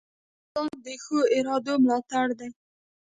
جانداد د ښو ارادو ملاتړ دی.